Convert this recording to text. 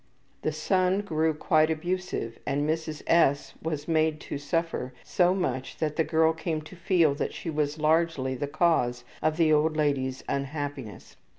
The son grew quite abusive and Mrs. S. was made to suffer so much that the girl came to feel that she was largely the cause of the old lady's unhappiness.